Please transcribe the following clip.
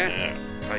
はい。